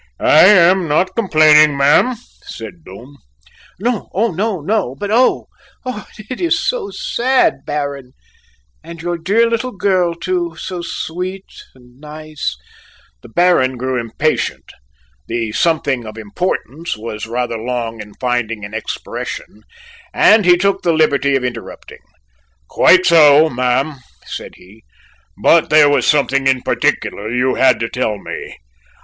"I am not complaining, ma'am," said Doom. "No, no; but oh! it is so sad, Baron and your dear girl too, so sweet and nice " The Baron grew impatient; the "something of importance" was rather long of finding an expression, and he took the liberty of interrupting. "Quite so, ma'am," said he, "but there was something in particular you had to tell me.